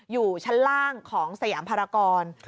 อยู่ชั้นล่างของสยามภารกร